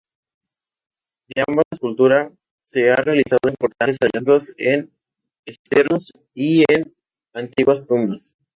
De ambas cultura se han realizados importantes hallazgos en esteros y en antiguas tumbas.